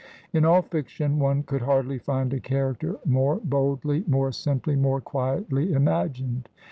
In all fiction one could hardly find a character more boldly, more simply, more quietly imagined.